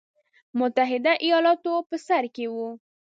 متحده ایالتونه په سر کې وو.